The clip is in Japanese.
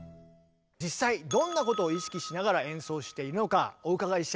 実際どんなことを意識しながら演奏しているのかお伺いしてみましょう。